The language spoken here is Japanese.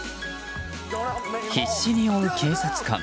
必死に追う警察官。